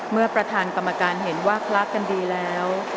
เมื่อประธานกรรมการเห็นว่าคลักกันดีแล้ว